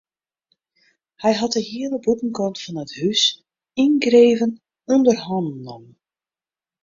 Hy hat de hiele bûtenkant fan it hús yngreven ûnder hannen nommen.